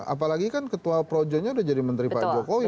apalagi kan ketua projonya udah jadi menteri pak jokowi